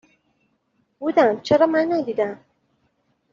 بودم ، چرا من ندیدم ؟